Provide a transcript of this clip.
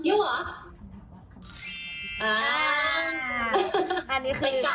ไปกลับกันบอกเอง